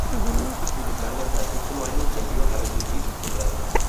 Sin embargo, tras un sólo año, volvió a rescindir su contrato.